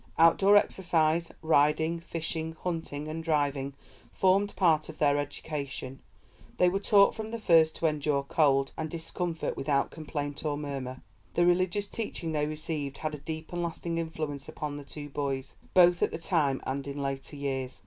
Outdoor exercise, riding, fishing, hunting, and driving formed part of their education; they were taught from the first to endure cold and discomfort without complaint or murmur. The religious teaching they received had a deep and lasting influence upon the two boys, both at that time and in later years.